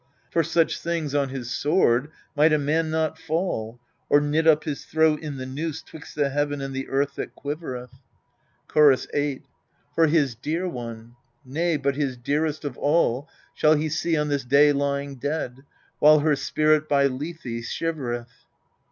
For such things on his sword might a man not fall, Or knit up his throat in the noose 'twixt the heaven and the earth that quivereth ? ALCESTIS 207 Chorus 8. For his dear one nay, but his dearest of all Shall he see on this day lying dead, while her spirit by Lethe shivereth.